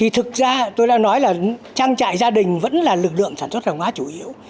trang trại gia đình vẫn là lực lượng sản xuất đồng hóa chủ yếu